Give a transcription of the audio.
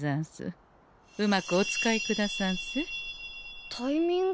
うまくお使いくださんせ。タイミング？